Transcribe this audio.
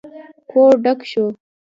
کور ډک شو.